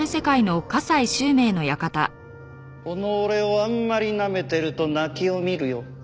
この俺をあんまりなめてると泣きを見るよ。